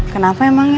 kenapa emang ya